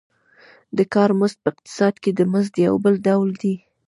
د کار مزد په اقتصاد کې د مزد یو بل ډول دی